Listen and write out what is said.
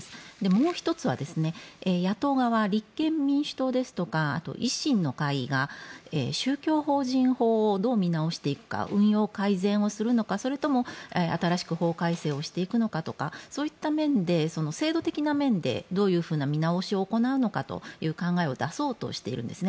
もう１つは、野党側立憲民主党ですとかあとは維新の会が宗教法人法をどう見直していくか運用改善をするのか、それとも新しく法改正をしていくのかとかそういった面で制度的な面でどういうふうな見直しを行うのかという考えを出そうとしているんです。